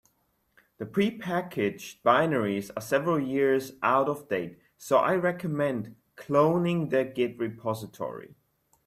The prepackaged binaries are several years out of date, so I recommend cloning their git repository.